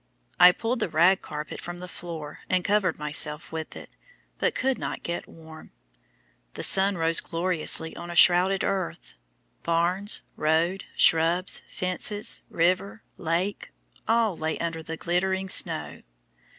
I pulled the rag carpet from the floor and covered myself with it, but could not get warm. The sun rose gloriously on a shrouded earth. Barns, road, shrubs, fences, river, lake, all lay under the glittering snow.